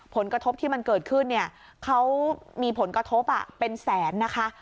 ผลกระทบที่มันเกิดขึ้นเนี่ยเขามีผลกระทบเป็นแสนนะคะ